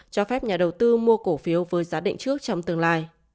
cho phép nhà đầu tư mua cổ phiếu với giá định trước trong tương lai